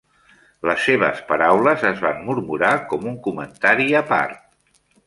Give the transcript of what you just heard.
Les seves paraules es van murmurar com un comentari a part.